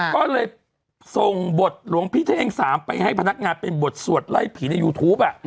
ก็เลยส่งบทหลวงพี่เท่ง๓ไปให้พนักงานเป็นบทสวดไล่ผีในยูทูป